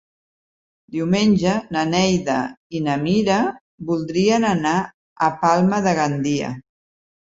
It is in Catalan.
Diumenge na Neida i na Mira voldrien anar a Palma de Gandia.